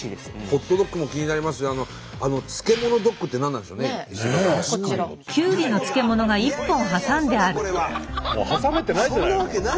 「ホットドッグ」も気になりますしあの「漬物ドッグ」って何なんでしょうね？